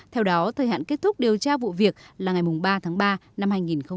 theo đó thời hạn kết thúc điều tra vụ việc là ngày ba tháng ba năm hai nghìn hai mươi